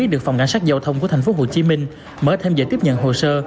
được phòng cảnh sát giao thông của thành phố hồ chí minh mở thêm giải tiếp nhận hồ sơ